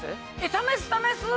試す試す！